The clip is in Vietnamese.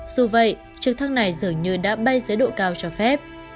dù vậy trực thăng này dường như đã bay dưới độ cao cho phép